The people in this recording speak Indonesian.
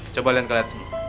coba kalian lihat semua